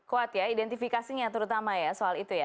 kuat ya identifikasinya terutama ya soal itu ya